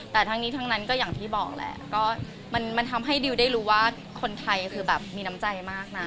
แต่ทั้งนี้ทั้งนั้นก็อย่างที่บอกแหละก็มันทำให้ดิวได้รู้ว่าคนไทยคือแบบมีน้ำใจมากนะ